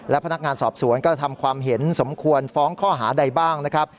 และพนักงานสอบสวนก็ทำความเห็นสมควรฟ้องข้อหาใดบ้างนะครับ